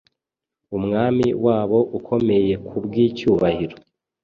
umwami wabo ukomeyekubwicyubahiro